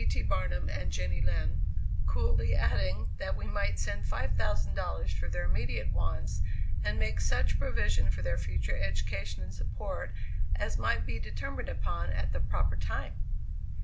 T. Barnum" and "Jenny Lind," coolly adding that we might send $5,000 for their immediate wants, and make such provision for their future education and support as might be determined upon at the proper time!